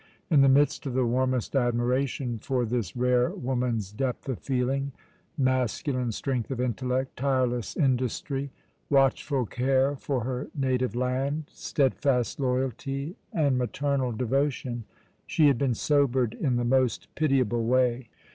In the midst of the warmest admiration for this rare woman's depth of feeling, masculine strength of intellect, tireless industry, watchful care for her native land, steadfast loyalty, and maternal devotion, she had been sobered in the most pitiable way.